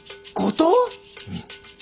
うん。